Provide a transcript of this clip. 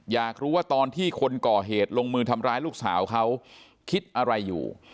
อยากรู้ว่าตอนที่คนก่อเหตุลงมือทำร้ายลูกสาวเขาคิดอะไรอยู่